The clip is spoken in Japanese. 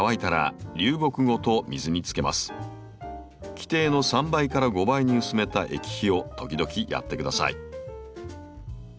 規定の３倍から５倍に薄めた液肥を時々やってください。